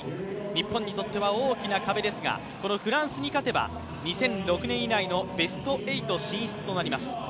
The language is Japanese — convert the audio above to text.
日本にとっては大きな壁ですが、このフランスに勝てば、２００６年以来のベスト８進出となります。